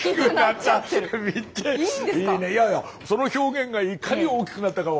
いやいやその表現がいかに大きくなったかを。